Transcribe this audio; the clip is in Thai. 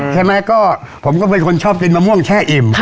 ใช่ไหมก็ผมก็เป็นคนชอบกินมะม่วงแช่อิ่ม